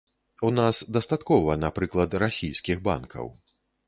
У нас дастаткова, напрыклад, расійскіх банкаў.